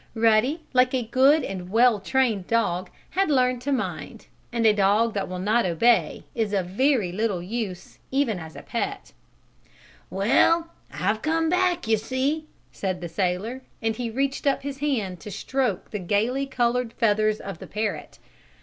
Ruddy, like a good and well trained dog, had learned to mind, and a dog that will not obey is of very little use, even as a pet. "Well, I've come back, you see!" said the sailor, and he reached up his hand to stroke the gaily colored feathers of the parrot.